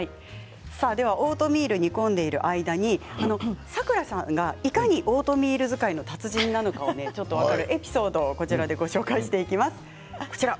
オートミールを煮込んでいる間に、さくらさんがいかにオートミール使いの達人なのかエピソードをこちらでご紹介していきます。